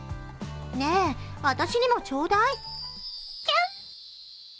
ねぇ、私にもちょうだい！